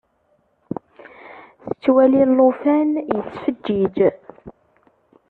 Tettwali llufan yettfeǧiǧ.